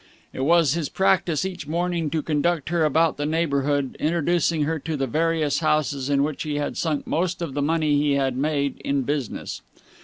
It was his practice each morning to conduct her about the neighbourhood, introducing her to the various houses in which he had sunk most of the money he had made in business.